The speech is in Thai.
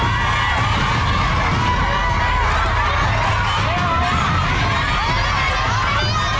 ไม่ออกไป